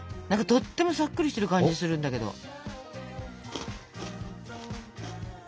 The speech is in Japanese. とってもさっくりしてる感じするんだけど。